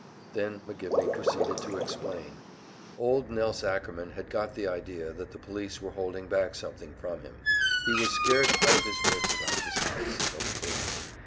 Then McGivney proceeded to explain: Old Nelse Ackerman had got the idea that the police were holding back something from him. He was scared out of his wits about this case, of course.